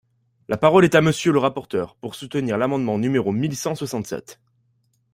La parole est à Monsieur le rapporteur, pour soutenir l’amendement numéro mille cent soixante-sept.